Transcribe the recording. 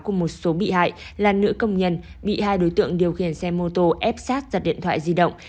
của một số bị hại là nữ công nhân bị hai đối tượng điều khiển xe mô tô ép sát giật điện thoại di động